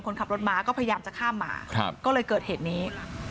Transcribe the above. คนขับรถม้าก็พยายามจะข้ามมาก็เลยเกิดเหตุนี้